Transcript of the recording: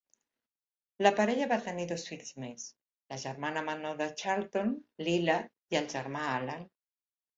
La parella va tenir dos fills més, la germana menor de Charlton, Lilla, i el germà Alan.